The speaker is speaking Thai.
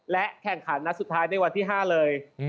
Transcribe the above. และแข่งขันนัดสุดท้ายในวันที่๕เลย